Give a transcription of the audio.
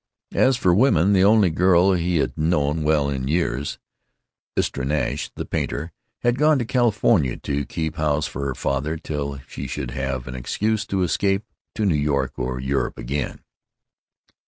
As for women, the only girl whom he had known well in years, Istra Nash, the painter, had gone to California to keep house for her father till she should have an excuse to escape to New York or Europe again.